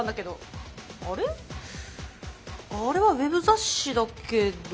あれはウェブ雑誌だけど。